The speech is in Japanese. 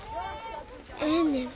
ええねん。